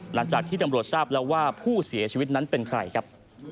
หลังจากที่ตำรวจทราบแล้วว่าผู้เสียชีวิตนั้นเป็นใครครับ